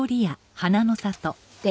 で？